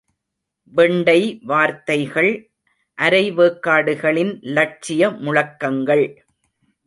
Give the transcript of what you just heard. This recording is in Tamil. வெண்டை வார்த்தைகள், அரைவேக்காடுகளின் லட்சிய முழக்கங்கள்.